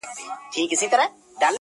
يو لوى باز يې خوشي كړى وو هوا كي!!